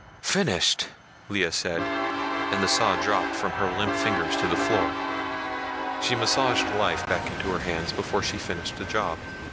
"Finished," Lea said and the saw dropped from her limp fingers to the floor. She massaged life back into her hands before she finished the job.